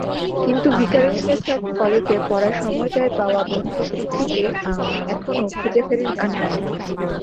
কিন্তু ভিকারুননিসা কলেজে পড়ার সময়টায় পাওয়া বন্ধু তৃপ্তিকে এখনো খুঁজে ফেরেন আনমনে।